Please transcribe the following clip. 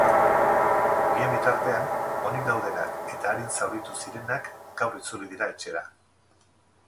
Bien bitartean, onik daudenak eta arin zauritu zirenak gaur itzuli dira etxera.